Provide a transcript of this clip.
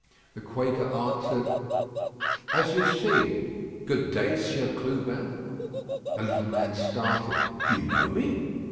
The Quaker answered: "As you see. Good day, Sieur Clubin." The little man started. "You know me?"